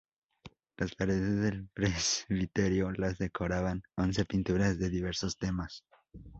Las paredes del presbiterio las decoraban once pinturas de diversos temas.